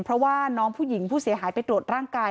เพราะว่าน้องผู้หญิงผู้เสียหายไปตรวจร่างกาย